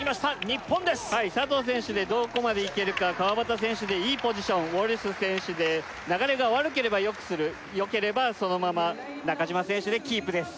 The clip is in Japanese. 日本ですはい佐藤選手でどこまでいけるか川端選手でいいポジションウォルシュ選手で流れが悪ければよくするよければそのまま中島選手でキープです